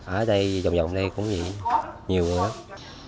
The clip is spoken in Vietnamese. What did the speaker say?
ở đây vòng vòng đây cũng nhiều người